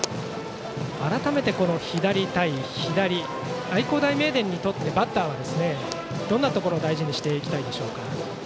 改めて、左対左愛工大名電にとってバッターはどんなところ大事にしていきたいですか。